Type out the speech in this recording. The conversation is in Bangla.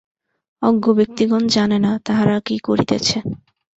অজ্ঞ ব্যক্তিগণ জানে না, তাহারা কি করিতেছে।